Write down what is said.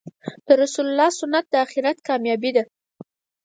د رسول الله سنت د آخرت کامیابې ده .